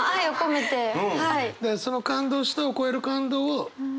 その「感動した」を超える感動を伝える言葉